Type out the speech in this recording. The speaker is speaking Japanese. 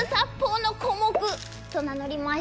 と名乗ります。